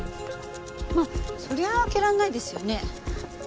まあそりゃあ開けられないですよね。